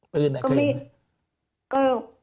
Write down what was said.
ปืนอะเคยเห็นมั้ย